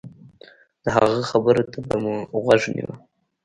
د هغه خبرو ته به مو غوږ نيوه.